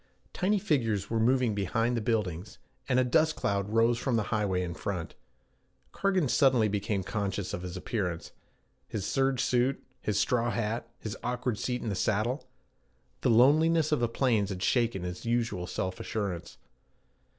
Tiny figures were moving behind the buildings, and a dust cloud rose from the highway in front. Cargan suddenly became conscious of his appearance his serge suit, his straw hat, his awkward seat in the saddle. The loneliness of the plains had shaken his usual self assurance.